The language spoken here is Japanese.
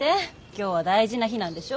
今日は大事な日なんでしょ？